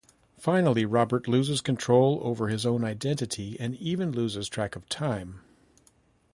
Finally, Robert loses control over his own identity and even loses track of time.